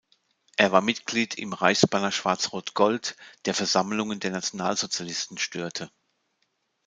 Er war Mitglied im Reichsbanner Schwarz-Rot-Gold, der Versammlungen der Nationalsozialisten störte.